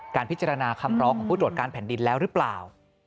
พิจารณาคำร้องของผู้ตรวจการแผ่นดินแล้วหรือเปล่า